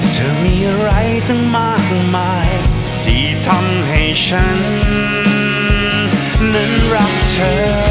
เธอมีอะไรตั้งมากมายที่ทำให้ฉันนั้นรักเธอ